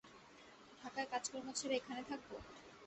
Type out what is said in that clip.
ঢাকায় কাজকর্ম ছেড়ে এখানে থাকব?